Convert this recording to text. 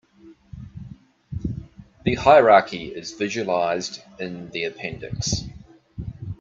The hierarchy is visualized in the appendix.